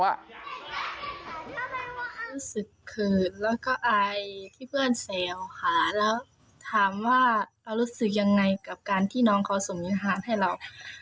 รู้สึกขืนแล้วก็อายที่เพื่อนแซวค่ะแล้วถามว่าเรารู้สึกยังไงกับการที่น้องเขาส่งเนื้อหาให้เรา